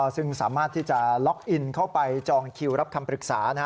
ซึ่งสามารถที่จะล็อกอินเข้าไปจองคิวรับคำปรึกษา